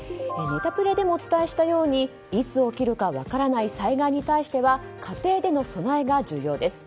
ネタプレでもお伝えしたようにいつ起きるか分からない災害に対しては家庭での備えが重要です。